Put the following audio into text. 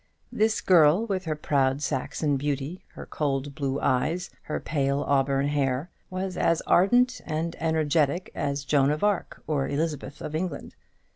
This girl, with her proud Saxon beauty, her cold blue eyes, her pale auburn hair, was as ardent and energetic as Joan of Arc or Elizabeth of England.